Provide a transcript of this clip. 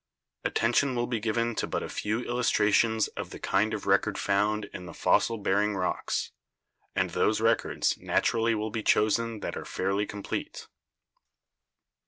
Attention will be given to but a few illus trations of the kind of record found in the fossil bearing rocks, and those records naturally will be chosen that are fairly complete.